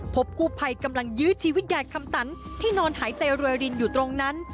พบกู้ภัยกำลังยื้อชีวิตยายคำตันที่นอนหายใจรวยรินอยู่ตรงนั้น